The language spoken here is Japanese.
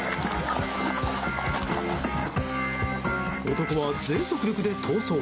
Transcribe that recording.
男は全速力で逃走。